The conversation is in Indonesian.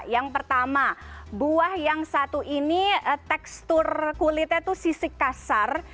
yang pertama buah yang satu ini tekstur kulitnya itu sisik kasar